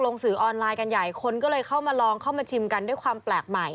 สื่อออนไลน์กันใหญ่คนก็เลยเข้ามาลองเข้ามาชิมกันด้วยความแปลกใหม่